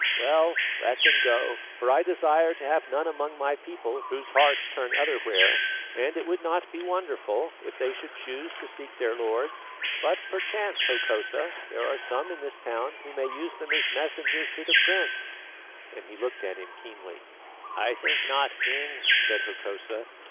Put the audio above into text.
Well, let them go, for I desire to have none among my people whose hearts turn otherwhere, and it would not be wonderful if they should choose to seek their lords. But perchance, Hokosa, there are some in this town who may use them as messengers to the prince" and he looked at him keenly. "I think not, King," said Hokosa.